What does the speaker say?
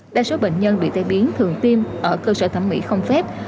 đa số bệnh nhân bị tai biến thường tiêm ở cơ sở thẩm mỹ không phép